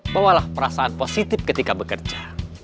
bawalah perasaan positif ketika bekerja